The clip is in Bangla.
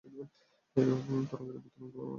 এইরূপ তরঙ্গের পর তরঙ্গ অগ্রসর হইয়া চলিয়াছে।